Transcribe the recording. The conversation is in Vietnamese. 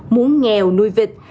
muốn nghèo nuôi trứng